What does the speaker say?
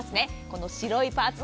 この白いパーツ